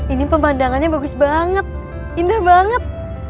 ini pemandangannya bagus banget indah banget